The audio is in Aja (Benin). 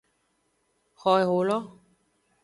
Xo eholo.